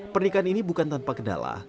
pernikahan ini bukan tanpa kendala